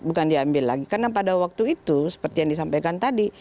bukan diambil lagi karena pada waktu itu seperti yang disampaikan tadi